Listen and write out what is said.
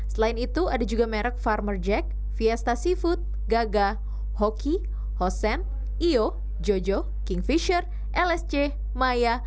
selain itu ada juga merek farmer jack fiesta seafood gaga hoki hosen io jojo king fisher lsc maya